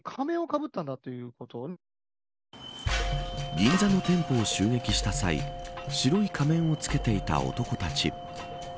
銀座の店舗を襲撃した際白い仮面を着けていた男たち。